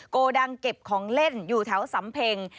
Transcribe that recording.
โกดังเก็บของเล่นอยู่แถวสำเพ็ง